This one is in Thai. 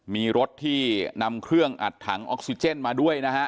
มีรถที่นำเครื่องอัดถังออกซิเจนมาด้วยนะฮะ